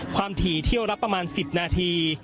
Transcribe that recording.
ถี่เที่ยวละประมาณ๑๐นาที